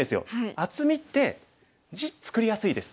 厚みって地作りやすいです。